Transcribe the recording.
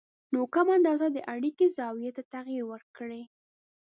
نو کمه اندازه د اړیکې زاویې ته تغیر ورکړئ